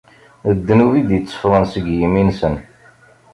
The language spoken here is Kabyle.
D ddnub i d-itteffɣen seg yimi-nsen.